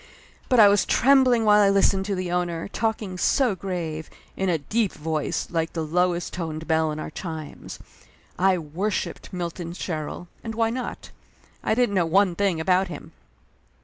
But I was trembling while I listened to the owner, talking so grave, in a deep voice like the lowest toned bell in our chimes. I wor shiped Milton Sherrill, and why not? I didn't know one thing about him.